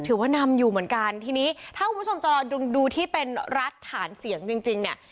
ถือว่านำอยู่เหมือนกันทีนี้ถ้าคุณผู้ชมจะรอดูที่เป็นรัฐฐานเสียงจริงจริงเนี่ย